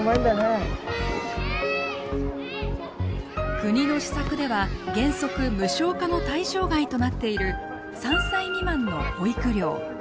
国の施策では原則無償化の対象外となっている３歳未満の保育料。